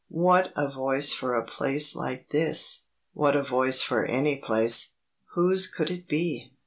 What a voice for a place like this! What a voice for any place! Whose could it be?